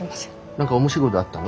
何か面白いことあったの？